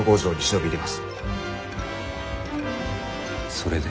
それで？